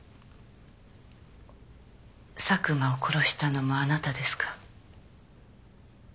佐久間を殺したのもあなたですか？